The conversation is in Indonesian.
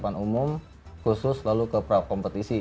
persiapan umum khusus lalu ke prakompetisi